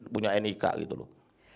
punya nik gitu loh